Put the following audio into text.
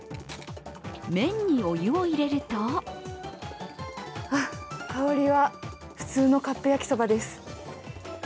麺にお湯を入れると香りは普通のカップ焼きそばです。